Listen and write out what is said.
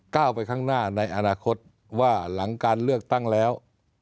ก้าวไปข้างหน้าในอนาคตว่าหลังการเลือกตั้งแล้ว